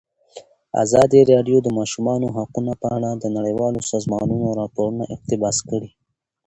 ازادي راډیو د د ماشومانو حقونه په اړه د نړیوالو سازمانونو راپورونه اقتباس کړي.